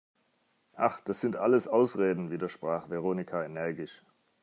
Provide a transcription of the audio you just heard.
Ach, das sind alles Ausreden!, widersprach Veronika energisch.